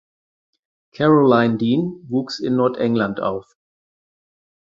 Caroline Dean wuchs in Nordengland auf.